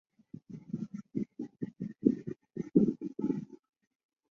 诺尔辰角亦可以由挪威沿岸游船看到。